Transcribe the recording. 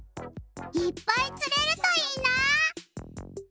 いっぱいつれるといいな！